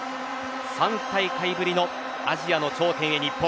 ３大会ぶりのアジアの頂点へ日本。